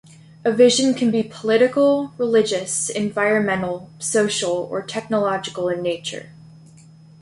A vision can be political, religious, environmental, social, or technological in nature.